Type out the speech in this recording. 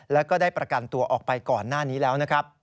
แล้วก็ได้ประกันตัวออกไปก่อนหน้านี้แล้วนะครับ